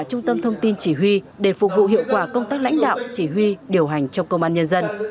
trung tâm thông tin chỉ huy để phục vụ hiệu quả công tác lãnh đạo chỉ huy điều hành trong công an nhân dân